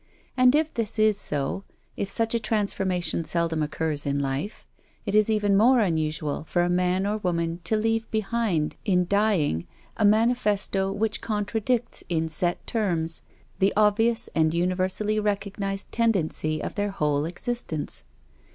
And if this is so, if such a trans formation seldom occurs in life, it is even more unusual for a man or woman to leave behind in dying a manifesto which contradicts in set terms the obvious and universally recognized tendency of their whole existence.